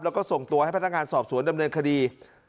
แล้วก็ส่งตัวให้พนักงานสอบสวนดำเนินคดี